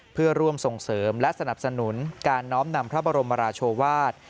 เพื่อร่วมส่งเสริมและสนับสนุนการน้อมนำพระบรมราชวาส